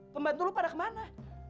pembantu lo pada kemana